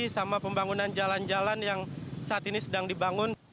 sama pembangunan jalan jalan yang saat ini sedang dibangun